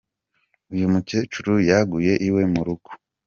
Uyu mukecuru yaguye iwe mu rugo.